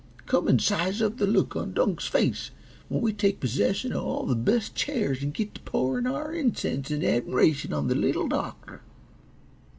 Come and size up the look on Dunk's face when we take possession of all the best chairs and get t' pouring our incense and admiration on the Little Doctor."